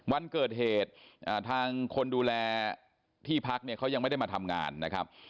วันเกิดเหตุทางคนดูแลที่พักเนี่ยเขายังไม่ได้มาทำงานนะครับ